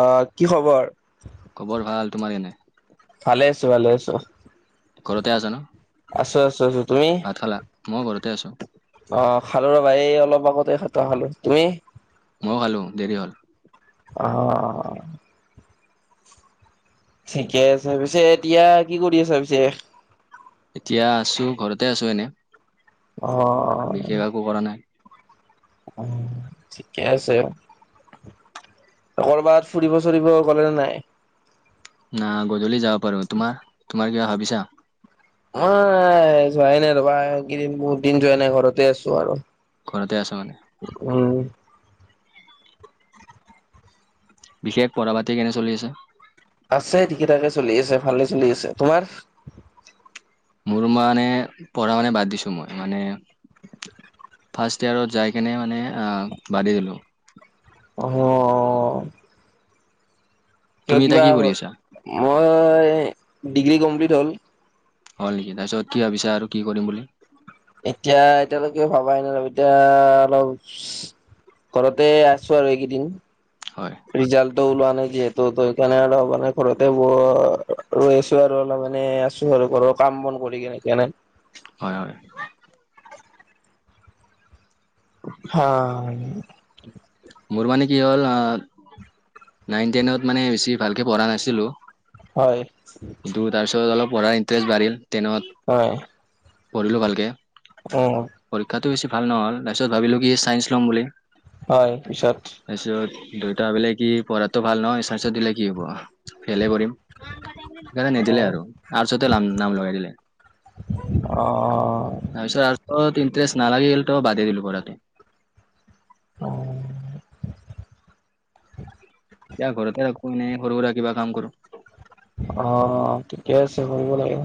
অ' কি খবৰ? খবৰ ভাল। তোমাৰ কেনে? আছোঁ ভালেই আছোঁ। ঘৰতে আছা ন আছোঁ আছোঁ তুমি? ভাত খালা মই ঘৰতে আছোঁ। অ' খালোঁ ৰবা এই অলপ আগতে ভাতটো খালোঁ। তুমি? ময়ো খালোঁ দেৰি হ'ল। অ'। ঠিকেই আছে, পিছে এতিয়া কি কৰি আছা পিছে? এতিয়া আছোঁ, ঘৰতে আছোঁ এনে। অ', অ'। বিশেষ একো কৰা নাই উ, ঠিকে আছে। ক'ৰবাত ফুৰিব, চুৰিব গ'লা নে নাই? নাই গধূলি যাব পাৰোঁ। তোমাৰ, তোমাৰ কিবা ভাবিছা? নাই, যোৱাই নাই ৰবা, এইকেইদিন বহুত দিন যোৱা নাই ঘৰতে আছোঁ আৰু। ঘৰতে আছা মানে উম। বিশেষ পঢ়া পাতি কেনে চলি আছে? আছে ঠিকে ঠাকে চলি আছে, ভালে চলি আছে। তোমাৰ? মোৰ মানে পঢ়া শুনা বাদ দিছোঁ। মই মানে ফাৰ্ষ্ট ইয়েৰত যাই কেনে মানে আ, বাদেই দিলোঁ। অ কিয় তুমি এতিয়া কিবা, কি কৰি আছা মই ডিগ্ৰী কমপ্লিট হ'ল। হয় নেকি, তাৰপিছত কি ভাবিছা আৰু কি কৰিম বুলি? এতিয়া এতিয়ালৈকে ভবাই নাই এতিয়া অলপ ঘৰতে আছোঁ আৰু এইকেইদিন হয় ৰিজাল্টো ওলোৱা নাই। যিহেতু সেইকাৰণে অলপ মানে ঘৰতে ব ৰৈ আছোঁ আৰু অলপ এনে আছোঁ আৰু ঘৰৰ কাম বন কৰি কেনে। হয় হয়। হয়। মোৰ মানে কি হ'ল নাইন টেইনত মানে বেছি ভালকে পঢ়া নাছিলো। হয়। কিন্তু তাৰপিছত অলপ পঢ়াৰ ইণ্টাৰেষ্ট বাঢ়িল টেনত হয় পঢ়িলো ভালকে। উম। পৰীক্ষাটো বেছি ভাল নহ'ল তাৰপিছ ভাবিলো কি চাইন্ঞ্চ ল'ম বুলি হয় পিছত দেউতাই ভাবিলে কি পঢ়াতটো ভাল নহ'য় চাইঞ্চত দিলে কি হ'ব ফেইল হে কৰিম। সেইকাৰণে অ নিদিলে আৰু আৰ্টচতে নাম লগাই দিলে। অ তাৰপিছত আৰ্টচত ইণ্টাৰেষ্ট নালাগিল ত' বাদেই দিলোঁ পঢ়াটো। [unintelligible] এতিয়াঁ ঘৰতে থাকো এনেই সৰু সুৰা কিবা কাম কৰো। অ', ঠিকেই আছে কৰিব লাগে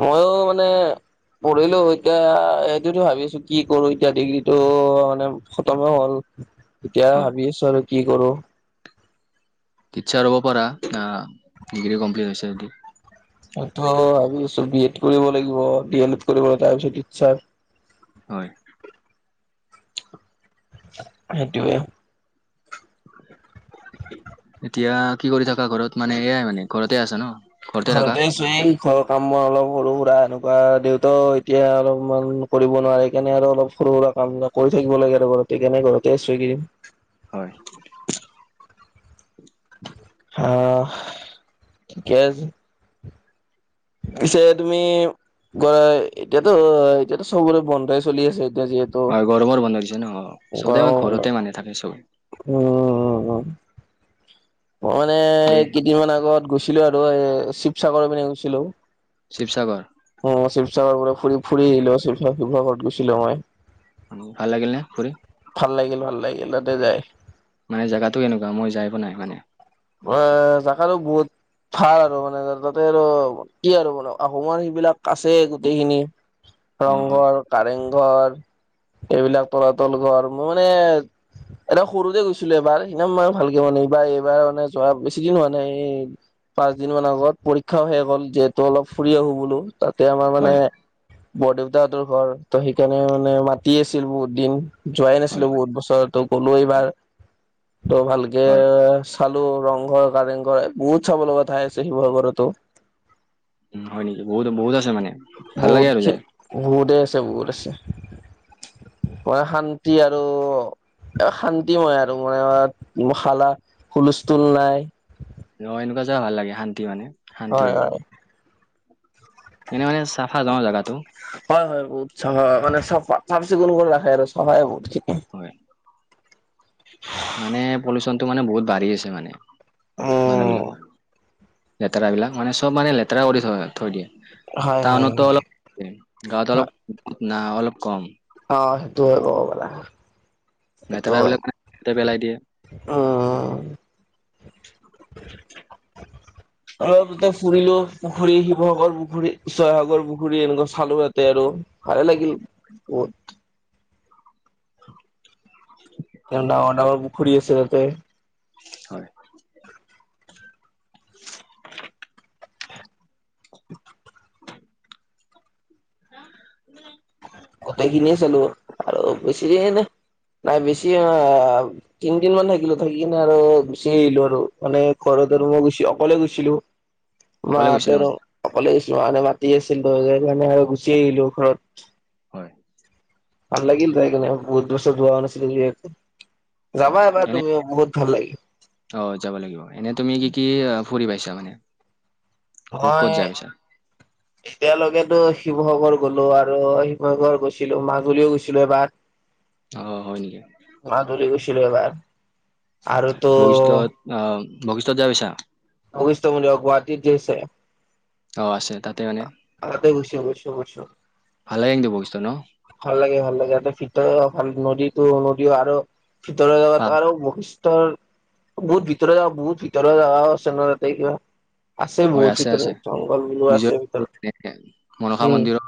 ময়ো মানে পঢ়িলো এতিয়া এইটোতো ভাবিছোঁ কি কৰো এতিয়া ডিগ্ৰীটো মানে খতমে হ'ল। এতিয়া হয় ভাবি আছো আৰু কি কৰোঁ। টিছেৰ হব পাৰা ডিগ্ৰী কমপ্লিট হৈছে যদি। মইতো ভাবি বি এড্ কৰিব লাগিব দি এ লেড্ কৰিব লাগিব তাৰপিছত টিচেৰ হয়। সেইটোৱে। এতিয়া কি কৰি থাকা ঘৰত মানে এয়াই মানে ঘৰতে আছ ন? ঘৰতে আছোঁ এই ঘৰৰ কাম মই অলপ সৰু সুৰা এনে কোৱা দেউতাও এতিয়া অলপমান কৰিব নোৱাৰে সেইকাৰণে আৰু অলপ সৰু সুৰা কাম কৰি থাকিব লাগে আৰু বাৰু। সেই কাৰনে ঘৰতে আছো এই কেইদিন। হয়। আহ ঠিকে আছে। পিছে তুমি কৰা এতিয়াতো এতিয়াতো চবৰে বন্ধাই চলি আছে। এতিয়া যিহেতু হয় গৰমৰ বন্ধ দিছে ন অ', চবতে আমাৰ ঘৰতে মানে থাকে চব। উম, উম, উম। মই মানে দে কেইদিনমান আগত গৈছিলো আৰু এই শিৱসাগৰ পিনে গৈছিলো। শিৱসাগৰ? অ', শিৱসাগৰ পুৰা ফুৰি ফুৰি আহিলো শিৱসাগৰ শিৱসাগৰত গৈছিলো মই। ভাল লাগিল নে ফুৰি ভাল লাগিল ভাল লাগিল তাতে যাই। মানে জেগাতটো এনেকুৱা মই যাই পোৱা নাই মানে। অ', জাগাটো বহুত ভাল আৰু মানে তাতে আৰু কি আৰু মানে আহোমৰ সেইবিলাক আছে গোটেইখিনি। অ হয় ৰংঘৰ কাৰেংঘৰ এইবিলাক তলাতল ঘৰ আৰু মোৰ মানে একদম সৰুতে গৈছিলো এবাৰ সিনা মানে ভালকে মানে এইবাৰ এইবাৰ মানে যোৱা বেছি দিন হোৱা নাই এই পাঁচ দিন মান আগত পৰীক্ষাও শেস হ'ল যিহেতু অলপ ফুৰি আহো বোলো। তাতে আমাৰ মানে হয় বৰ দেউতাহতৰ ঘৰ তো সেইকাৰণে মানে মাতি আছিল বহুত দিন। যোৱাই হয় নাছিলো বহুত বছৰ তো গলো এইবাৰ ত' ভালকে হয় চাল ৰংঘৰ কাৰেংঘৰ বহুত চাব লগা ঠাই আছে শিৱসাগৰতো। উম, হয় নেকি বহুত আছে মানে? ভাল লাগে বহুত আৰু যাই বহুতেই আছে বহুত আছে। মই শান্তি আৰু। শান্তিময় আৰু মানে শালা হুলস্থুল নাই। ন' এনেকুৱা যোৱা ভাল লাগে, শান্তি মানে। হয়, শান্তিবোৰ হয়। এনে মানে চাফা ন' জেগাটো? হয়, হয়, বহুত চাফা মানে চব চাফ-চিকুণ কৰি ৰাখে আৰু চফায়ে বহুত হয়। মানে পলিউশ্যনটো মানে বহুত বাঢ়ি আছে মানে, মানুহ উম বিলাকৰ লেতেৰা বিলাক, মানে চব মানে লেতেৰা কৰি থয়, থৈ দিয়ে। হয় হয় টাউনতো অলপ, গাঁৱত অলপ হয় না অলপ কম। অ', সেইটো হয় কব গ'লে। লেতেৰাবিলাকতে পেলাই দিয়ে। অ'। অলপ তাতে ফুৰিলো, পুখুৰী, শিৱসাগৰ পুখুৰী, জয়সাগৰ পুখুৰী এনেকুৱা চালো ইয়াতে আৰু। ভাল লাগিল। ডাঙৰ ডাঙৰ পুখুৰী আছে তাতে। হয়। [unintelligible] হা [inaudible] চো আৰু বছিনে [unintelligible] নাই বেছি তিনদিন মান থাকিলো, থাকি কিনে আৰু গুছি আহিলো আৰু। মানে ঘৰত আৰু মই গুছি অকলে গৈ, অকলে মাহঁতে গৈছিলো মানে অকলে মানে মাতি আছিল যে মানে আৰু গুচি আহিলো ঘৰত। হয়। ভাল লাগিল জাইকিনেও বহুত বছৰ যোৱাও নাছিলো যিহেতু, হয় যাবা এবাৰ এনে তুমি বহুত ভাল লাগে। অ', যাব লাগিব, এনেই তুমি কি কি ফুৰি পাইছা মানে? ক- ক'ত মই যাই পাইছা? এতিয়ালৈকেতো শিৱসাগৰ গ'লো আৰু শিৱসাগৰ গৈছিলো, মাজুলীও গৈছিলো এবাৰ। আহ, হয় নেকি? মাজুলী গৈছিলো এবাৰ আৰু তো বশিষ্ঠত আহ বশিষ্ঠত যাই পাইছা? বশিষ্ট মন্দিৰ অ' গুৱাহাটীত যে আছে অ', আছে তাত। তাতে গৈছো, গৈছো, গৈছো। ভাল লাগে কিন্তু বশিষ্ঠ ন? ভাল লাগে, ভাল লাগে, তাতে ভিতৰত অ' ভাল নদীত নদীওঁ আৰু ভিতৰ জাগাত পাম আৰু বশি ত বহুত ভিতৰত য বহুত ভিতৰত য আছে ন তাতে কিবা আছে হয় বহুত আছে। ভিতৰত জংগল বোলো বিজয় আছে ভিতৰত। মনসা উম মন্দিৰ,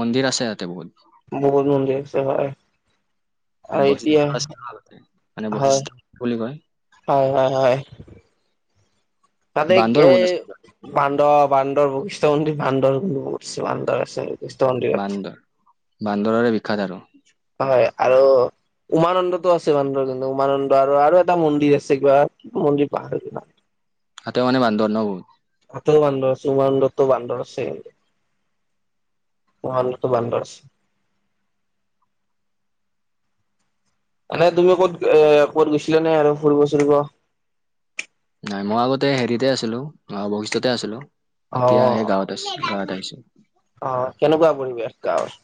মন্দিৰ আছে তাতে বহুত। বহুত নন্দিৰছে ভ [unintelligible] বৈশিষ্টয় আছিল মানে হয় বৈশিষ্টয় বুলি কয় [unintelligible] হয়, হয়, হয়। তাতে বান্দৰ বহুত আছে। এই বান্দৱ বান্দৰ, বশিষ্ঠ মন্দিৰত বান্দৰ বহুত আছে। বশিষ্ঠ মন্দিৰত বান্দৰ, বান্দৰৰে বিখ্যাত আৰু হয়, আৰু উমানন্দতো আছে বান্দৰ, কিন্তু উমানন্দ আৰু আৰু এটা মন্দিৰ আছে কিবা কিবা মন্দিৰ পাহাৰ তাতেওঁ মানে বান্দৰ ন' বহুত। বান্দৰ আছে, উমানন্দতো বান্দৰ আছে। উমানন্দতো বান্দৰ আছে। মানে তুমি ক'ত এ ক'ত গৈছিলা নে আৰু ফুৰিব চুৰিব? নাই, মই আগতে হেৰিতে আছিলো, বৈশিষ্টতে আছিলো, এতিয়া এ গাঁৱত আছো গাঁৱত আ অ', কেনেকুৱা পৰিৱেশ গাঁৱৰ?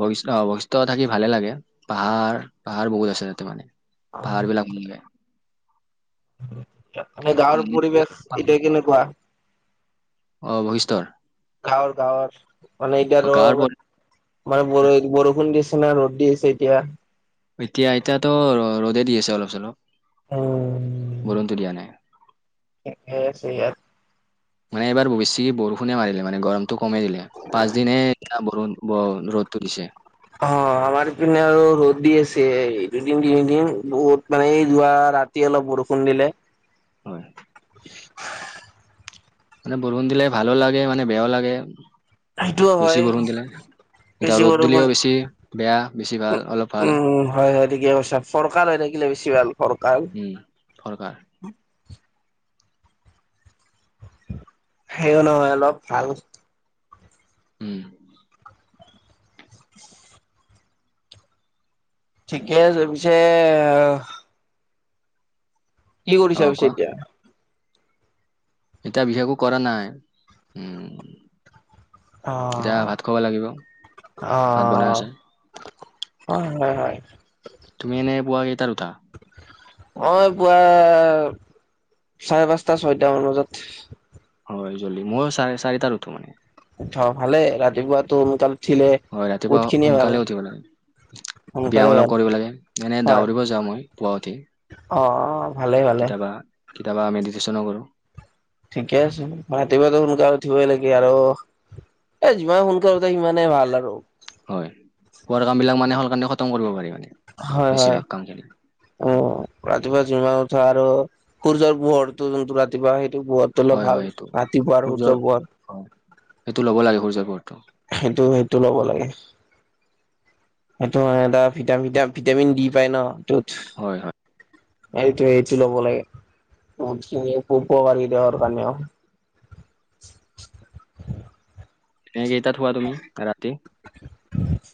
বৈশিষ্ট অ' বশিষ্ট থাকি ভালে লাগে, পাহাৰ পাহাৰ বহুত আছে ইয়াতে মানে। পাহাৰ বিলাক [unintelligible] মানে গাঁৱৰ উম, পৰিৱেশ এতিয়া কেনেকুৱা? অ', বৈশিষ্টৰ। ঘাৱৰ ঘাৱৰ মানে এতিয়া অ, গাঁৱৰ তোৰ পৰা মানে বৰ বৰষুণ দি না ৰ'দ দি আছে এতিয়া। এতিয়া এতিয়াটো ৰ'দে দি আছে অলপ চলপ, উম বৰষুণটো দিয়া নাই। [unintelligible] ইয়াত। মানে এইবাৰ বেছি বৰষুণে মাৰিলে মানে গৰমতটো কমেই দিলে, পাঁচদিনে বৰষুণ ব ৰ'দটো দিছে। অ', আমাৰপিনে আৰু ৰ'দ দি আছে, দুদিন তিনিদিন বহুত মানে এই যোৱা ৰাতি অলপ বৰষুণ দিলে। হয় মানে বৰষুণ দিলে ভালো লাগে মানে বেয়াও লাগে। সেইটোও বেছি হয়। বৰষুণ দিলে এতিয়া বেছি ৰ'দ বৰষুণ দিলেও বেছি বেয়া বেছি ভাল অলপ ভাল উম', হয় হয় ঠিকে কৈ ফৰকাল হৈ থাকিলে বেছি ভাল। ফৰকাল উম ফৰকাৰ। সেইও নহয় অলপ ভাল। উম। ঠিকেই আছে, পিছে কি অ কৰিছা পিছে কোৱা এতিয়া? এতিয়া বিশেষ একো কৰা নাই, উম'। এতিয়া আহ', ভাত খাব লাগিব ভাত বনাই আহ'। আছে হয় হয় হয়। পোৱাগেই তাৰুটা। মই পুৱা চাৰে পাঁচটা ছয়টা মান বজাত। হয়, জলদি ময়ো চাৰে চাৰিটাত উঠো মানে। উঠ' ভালেই, ৰাতিপুৱাটো সোনকাল উঠিলে হয়, ৰাতিপুৱা বহুত খিনিয়ে ভাল সোনকালে উঠিব লাগে। সোনকালে বিয়াম ভাল অলপ কৰিব লাগে, এনেই হয় দউৰিব যাওঁ মই। পুৱা উঠি অ', ভালেই ভালেই। কেতিয়াবা কেতিয়াবা মেডিটেশ্যনো কৰোঁ। ঠিকে আছে, ৰাতিপুৱাটো সোনকালে উঠিবই লাগে আৰু। এ যিমানে সোনকালে উঠে সিমানেই ভাল আৰু। হয়, কোৱাৰ কাম বিলাক মানে [unintelligible] কাৰণে খতম কৰিব পাৰি মানে। হয় হয়, বেছিভাগ কাম খিনি উম', ৰাতিপুৱা যিমান উঠা আৰু সূৰ্যৰ পোহৰটো যোনটো ৰাতিপুৱা সেইটো পোহৰটো হয় অলপ হয় ভাল, এইটো ৰাতিপুৱাৰ সূৰ্যৰ পোহৰ। হয় সেইটো ল'ব লাগে, সূৰ্যৰপোহৰটো। সেইটো সেইটো ল'ব লাগে। সেইটো এটা ভিটামিন দি পাই ন য'ত হয় হয়। এইটোৱে এইটো ল'ব লাগে, [unintelligible] উপকাৰ [unintelligible] কাৰণেও। এনেই কেইটাত শুৱা তুমি ৰাতি?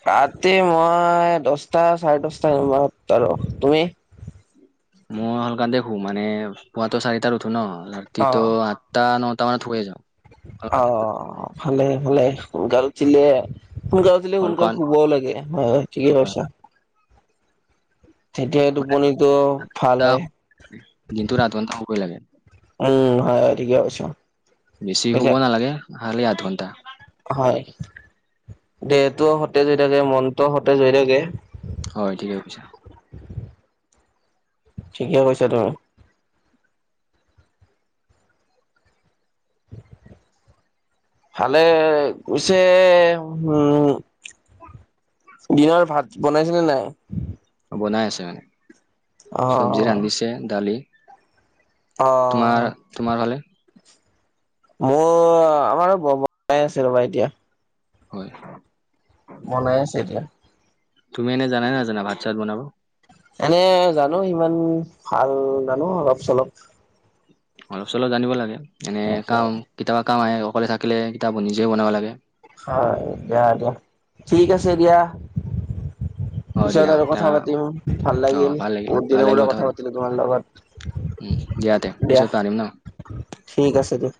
ৰাতি মই দহটা চাৰে দহটাত আৰু তুমি? [inaudible] মই [unintelligible] শুও, মানে পুৱাতো চাৰিটাত উঠো ন, ৰাতিটো অ আঠটা ন ত মান থৈ যাওঁ অ', ভালে ভালে [unintelligible] দিলে সোনকাল উঠিলে সোনকাল অলকান শুবও লাগে হয়, ঠিকে হয়, কৈছা তেতিয়া মানে টোপনিটো ভাল এটা হয় দিনটোত আঠ ঘন্টা শুবই লাগে উম, হয় ঠিকে বেছি শুৱ তেতিয়া নালাগে খালি আঠ ঘণ্টা হয়, দেহটোও সতেজ হৈ থাকে মনটোও সতেজ হৈ থাকে হয়, ঠিকে কৈছা ঠিকে, কৈছা তই উ ভালে কৈছে উ দিনৰ ভাত বনাইছিলনে নাই? বনাই আছে মানে অ চব্জি ৰান্ধিছে দালি তোমাৰ অ', তোমাৰ ফালে মোৰ, আমাৰো বনাই আছে ৰবা এতিয়া হয়। বনাই আছে এতিয়া তুমি এনে জানাই নে জানা ভাত চাত বনাব? এনে, জানো ইমান ভাল, জানো অলপ চলপ অলপ চলপ জানিব লাগে, এনে চলপ কিতাপ কাম আহে, অকলে থাকিলে কিতাপ নিজে বনাব লাগে হয়, দিয়া ঠিক, আছে দিয়া অ পিছত দিয়া আৰু কথা আহ পাতিম ভাল অ লাগিল ভাল বহুত দিনৰ মৰে কথা পাতিলো তোমাৰ লগত উ, দিয়াতে দিয়া পিছত পাতিম ন ঠিক আছে দিয়া